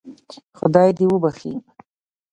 خدای دې وبخشي.